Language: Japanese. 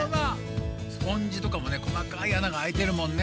スポンジとかもね細かい穴があいてるもんね。